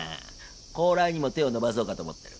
高麗にも手を伸ばそうかと思ってる。